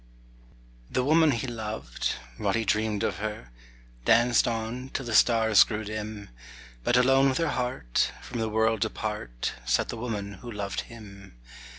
The woman he loved, while he dreamed of her, Danced on till the stars grew dim, But alone with her heart, from the world apart, Sat the woman who loved him.